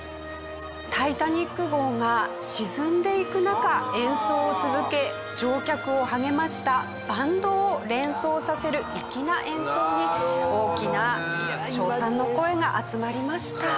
タイタニック号が沈んでいく中演奏を続け乗客を励ましたバンドを連想させる粋な演奏に大きな称賛の声が集まりました。